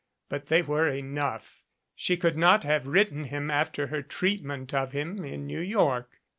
But they were enough. She could not have written him after her treatment of him in New York.